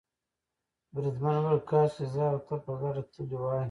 بریدمن وویل کاشکې زه او ته په ګډه تللي وای.